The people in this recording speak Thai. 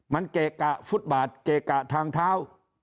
มันเกะกะฟุตบาทเกะกะทางเท้า